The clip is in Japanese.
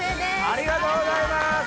ありがとうございます！